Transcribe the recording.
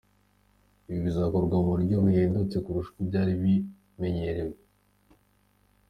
Ibi bizakorwa mu buryo buhendutse kurusha uko byari bimenyerewe.